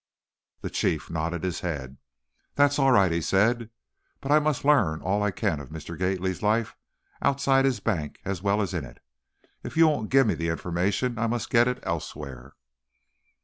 The Chief nodded his head. "That's all right," he said, "but I must learn all I can of Mr. Gately's life outside his bank as well as in it. If you won't give me information I must get it elsewhere."